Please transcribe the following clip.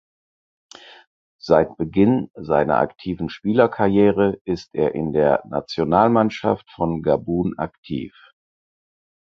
Seit Beginn seiner aktiven Spielerkarriere ist er in der Nationalmannschaft von Gabun aktiv.